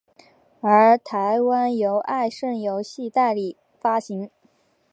而台湾由爱胜游戏代理发行。